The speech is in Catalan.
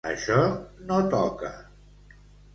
Això no toca.